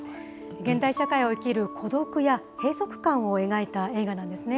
現代社会を生きる孤独や閉塞感を描いた映画なんですね。